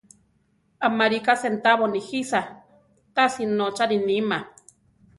Amarika sentabo nijisa, tasi nótzari nima.